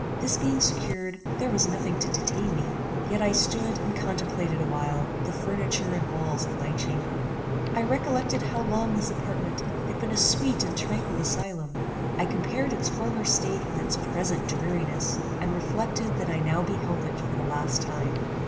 This being secured, there was nothing to detain me; yet I stood and contemplated awhile the furniture and walls of my chamber. I remembered how long this apartment had been a sweet and tranquil asylum; I compared its former state with its present dreariness, and reflected that I now beheld it for the last time.